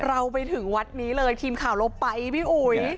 เราไปถึงวัดนี้เลยทีมข่าวเราไปพี่อุ๋ย